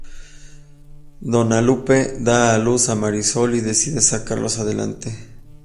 Dona Lupe da a luz a Marisol y decide sacarlos adelante.